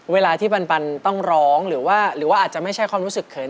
เวลาที่ปันต้องร้องหรือว่าหรือว่าอาจจะไม่ใช่ความรู้สึกเขิน